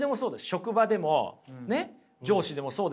職場でも上司でもそうですよ。